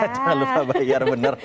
jangan lupa bayar bener